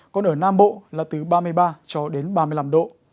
còn ở nam bộ là từ ba mươi ba cho đến ba mươi năm độ